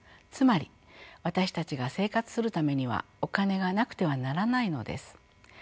つまり私たちが生活するためにはお金がなくてはならないのです。